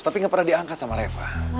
tapi gak pernah diangkat sama reva